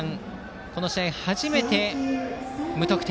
この試合初めて無得点。